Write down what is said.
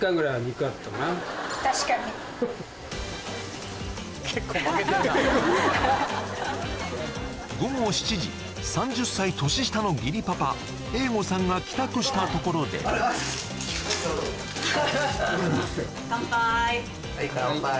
確かに午後７時３０歳年下の義理パパ栄護さんが帰宅したところで乾杯はい乾杯